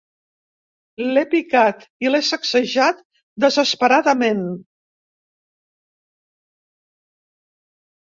L'he picat i l'he sacsejat desesperadament.